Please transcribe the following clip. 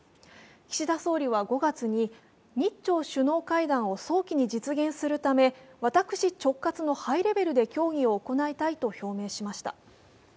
岸田総理は５月に、日朝首脳会談を早期に実現するため私直轄のハイレベルで協議を行いたいと表明しました。